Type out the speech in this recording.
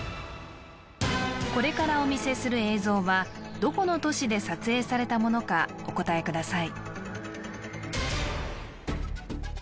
これからお見せする映像はどこの都市で撮影されたものかお答えください